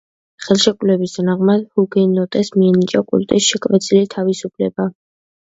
ხელშეკრულების თანახმად ჰუგენოტებს მიენიჭათ კულტის შეკვეცილი თავისუფლება.